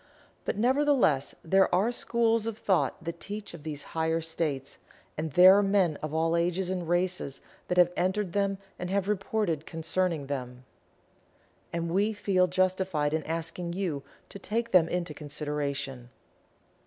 But, nevertheless, there are schools of thought that teach of these higher states, and there are men of all ages and races that have entered them and have reported concerning them. And we feel justified in asking you to take them into consideration.